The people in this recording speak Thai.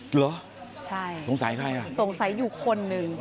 เหรอใช่สงสัยใครอ่ะสงสัยอยู่คนหนึ่ง